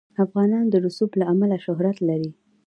افغانستان د رسوب له امله شهرت لري.